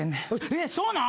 えっそうなん？